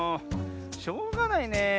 しょうがないねえ。